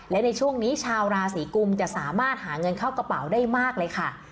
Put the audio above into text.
และในช่วงนี้ชาวราศีกุมจะสามารถหาเงินเข้ากระเป๋าได้มากเลยค่ะ